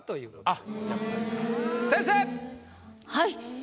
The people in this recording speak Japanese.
はい。